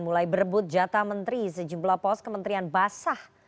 mulai berebut jatah menteri sejumlah pos kementerian basah